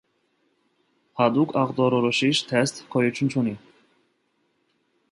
Հատուկ ախտորոշիչ թեստ գոյություն չունի։